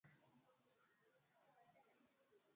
safari ya tatu ilikuwa mwaka elfu moja mia tano ishirini na nne